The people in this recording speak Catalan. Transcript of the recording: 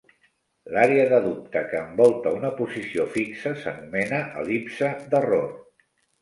L'àrea de dubte que envolta una posició fixa s'anomena el·lipse d'error.